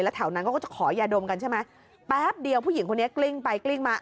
แถวนั้นเขาก็จะขอยาดมกันใช่ไหมแป๊บเดียวผู้หญิงคนนี้กลิ้งไปกลิ้งมา